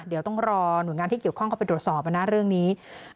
เดี๋ยวต้องรอหน่วยงานที่เกี่ยวข้องเข้าไปตรวจสอบนะเรื่องนี้